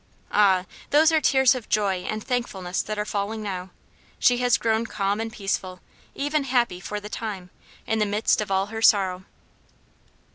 Ah! those are tears of joy and thankfulness that are falling now. She has grown calm and peaceful, even happy, for the time, in the midst of all her sorrow.